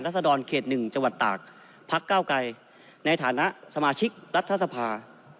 สดรเขต๑จังหวัดตากพักเก้าไกรในฐานะสมาชิกรัฐสภา